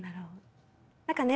何かね